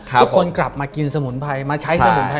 ทุกคนกลับมากินสมุนไพร